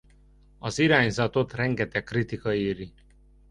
Az irányzatot rengeteg kritika éri.